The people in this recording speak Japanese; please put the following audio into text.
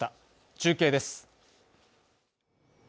中継です。